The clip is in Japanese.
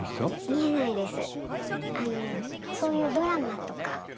見えないです。